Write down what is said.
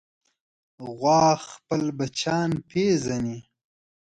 غوا خپل بچیان پېژني.